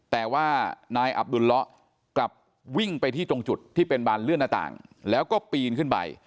แต่ว่านายอับดุลเลาะกลับวิ่งไปที่ตรงจุดที่เป็นบานเลื่อนหน้าต่างแล้วก็ปีนขึ้นไป